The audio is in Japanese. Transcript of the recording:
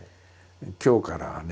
今日からはね